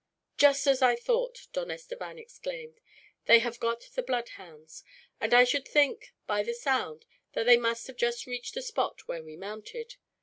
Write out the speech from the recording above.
"Just as I thought!" Don Estevan exclaimed. "They have got the bloodhounds, and I should think, by the sound, that they must have just reached the spot where we mounted.